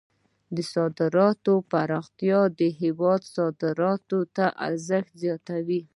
د صادراتو پراختیا د هیواد اقتصاد ته ارزښت زیاتوي.